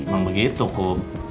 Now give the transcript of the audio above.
emang begitu kum